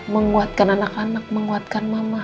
menguatkan anak anak menguatkan mama